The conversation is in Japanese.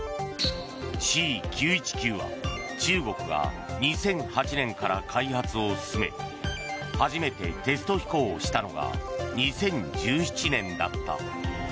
Ｃ９１９は中国が２００８年から開発を進め初めてテスト飛行をしたのが２０１７年だった。